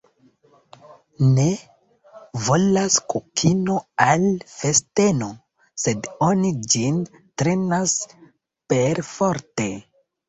Ne volas kokino al festeno, sed oni ĝin trenas perforte.